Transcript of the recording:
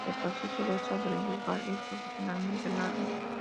El proceso dorsal del yugal es proporcionalmente largo.